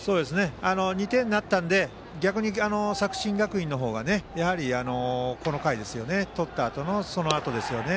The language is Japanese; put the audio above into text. ２点になったので逆に作新学院の方がこの回、取ったあとですよね。